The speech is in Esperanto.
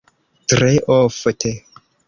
Tre ofte.